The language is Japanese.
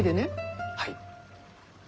はい。